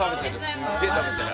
すっげえ食べてる。